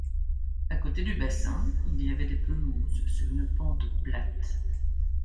À côté du bassin il y avait des pelouses sur une pente plate.